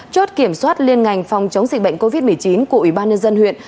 chốt kiểm soát liên ngành phòng chống dịch bệnh covid một mươi chín của ủy ban nhân dân huyện